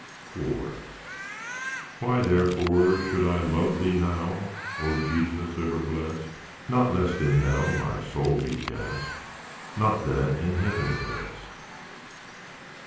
IV Why, therefore, should I love Thee now, O Jesus, ever blest? Not lest in hell my soul be cast, Not that in heaven it rest.